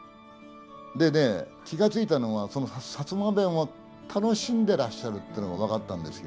でね、気が付いたのは薩摩弁を楽しんでいらっしゃるというのが分かったんですよ